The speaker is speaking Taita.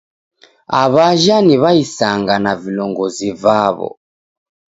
Aw'ajha ni w'aisanga na vilongozi vaw'o